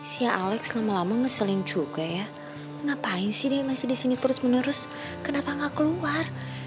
si alex lama lama ngeseling juga ya ngapain sih dia masih di sini terus menerus kenapa gak keluar